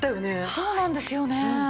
そうなんですよね。